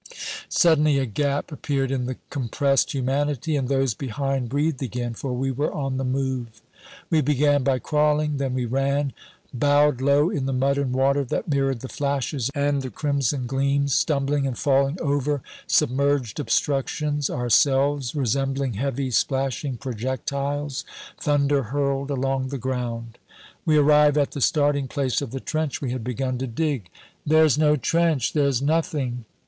Suddenly a gap appeared in the compressed humanity, and those behind breathed again, for we were on the move. We began by crawling, then we ran, bowed low in the mud and water that mirrored the flashes and the crimson gleams, stumbling and falling over submerged obstructions, ourselves resembling heavy splashing projectiles, thunder hurled along the ground. We arrive at the starting place of the trench we had begun to dig. "There's no trench there's nothing."